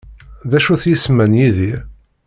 D acu-t yisem-a n Yidir?